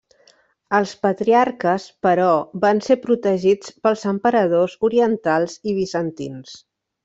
Els patriarques però van ser protegits pels emperadors orientals i bizantins.